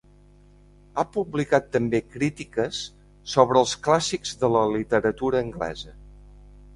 Ha publicat també crítiques sobre els clàssics de la literatura anglesa.